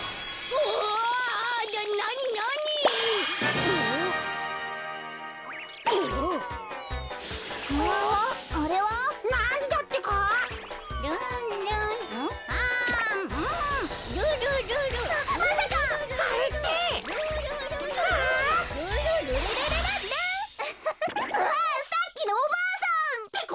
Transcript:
うわさっきのおばあさん！ってことはやっぱり。